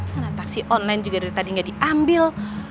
karena taksi online juga dari tadi gak diambil